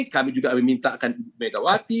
kami juga memintakan ibu megawati